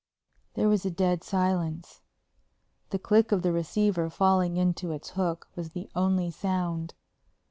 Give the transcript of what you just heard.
There was a dead silence. The click of the receiver falling into its hook was the only sound.